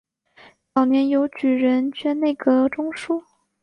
早年由举人捐内阁中书。